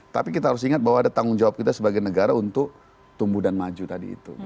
tapi kita harus ingat bahwa ada tanggung jawab kita sebagai negara untuk tumbuh dan maju tadi itu